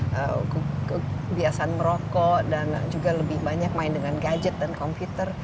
kebiasaan merokok dan juga lebih banyak main dengan gadget dan komputer